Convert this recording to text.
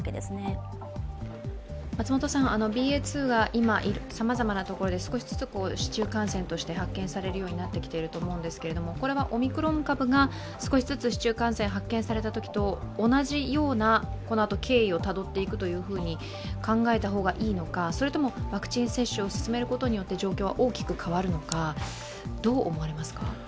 ＢＡ．２が今、さまざまなところで市中感染として発見されるようになってきていると思うんですけれども、これはオミクロン株が少しずつ市中感染発見されたときと同じような経緯をたどっていくというふうに考えた方がいいのかそれともワクチン接種を進めることによって状況は大きく変わるのか、どう思われますか。